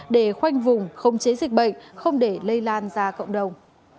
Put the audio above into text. để khoanh vùng khống chế dịch bệnh không để lây lan ra cộng đồng